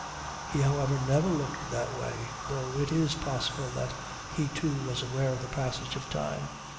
He however never looked that way though it is possible that he, too, was aware of the passage of time.